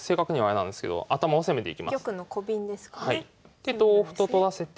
で同歩と取らせて。